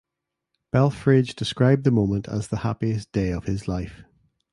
Belfrage described the moment as the happiest day of his life.